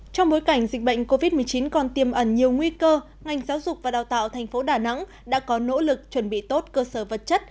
trong bối cảnh dịch bệnh covid một mươi chín còn tiêm ẩn nhiều nguy cơ ngành giáo dục và đào tạo thành phố đà nẵng đã có nỗ lực chuẩn bị tốt cơ sở vật chất